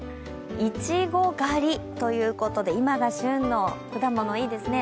いちご狩りということで、今が旬の果物、いいですね。